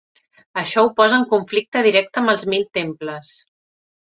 Això ho posa en conflicte directe amb els Mil Temples.